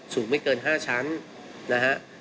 สูงไม่เกิน๕ชั้นนะฮะ